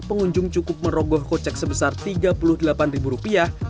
pengunjung cukup merogoh kocek sebesar tiga puluh delapan ribu rupiah